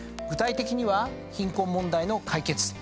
具体的には貧困問題の解決。